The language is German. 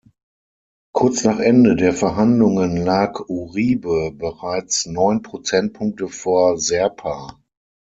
Kurz nach Ende der Verhandlungen lag Uribe bereits neun Prozentpunkte vor Serpa.